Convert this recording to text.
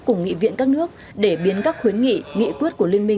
cùng nghị viện các nước để biến các khuyến nghị nghị quyết của liên minh